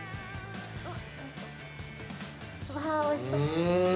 ◆わあ、おいしそう。